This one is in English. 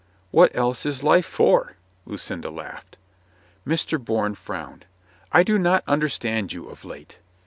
"What else is life for?" Lucinda laughed. Mr. Bourne frowned. "I do not understand you of late."